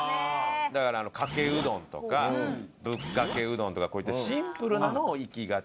だからかけうどんとかぶっかけうどんとかこういったシンプルなのをいきがち。